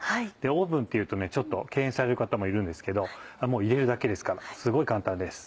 オーブンっていうとちょっと敬遠される方もいるんですけど入れるだけですからすごい簡単です。